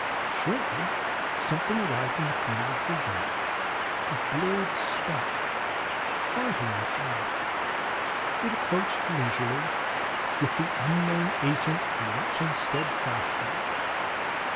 Shortly something arrived in the field of vision; a blurred speck, far to one side. It approached leisurely, with the unknown agent watching steadfastly.